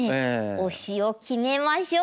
推しを決めましょう！